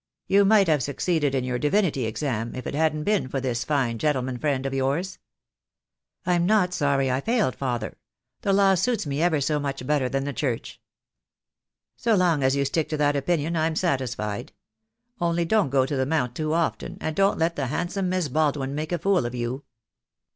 "You might have succeeded in your divinity exam, if it hadn't been for this fine gentleman friend of yours." "I'm not sorry I failed, father. The law suits me ever so much better than the Church." "So long as you stick to that opinion I'm satisfied. Only don't go to the Mount too often, and don't let the handsome Miss Baldwin make a fool of you."